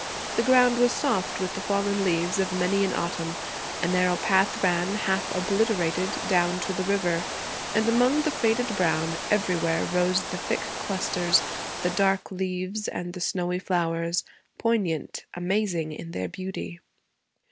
The ground was soft with the fallen leaves of many an autumn; a narrow path ran, half obliterated, down to the river; and among the faded brown, everywhere, rose the thick clusters, the dark leaves, and the snowy flowers poignant, amazing in their beauty.